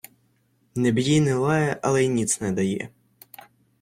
Не б'є й не лає, але й ніц не дає.